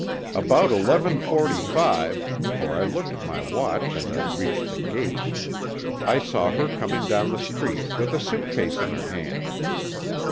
About eleven forty five, for I looked at my watch as I reached the gate, I saw her coming down the street with a suitcase in her hand.